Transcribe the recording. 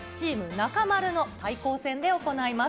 中丸の対抗戦で行います。